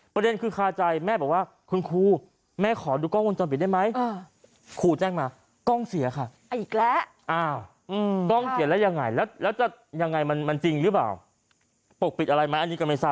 ประเด็นคือคาใจแม่บอกว่าคุณครูแม่ขอดูกล้องวนจอมปิดได้ไหม